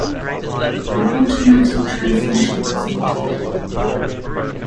An automatic transmission was not available.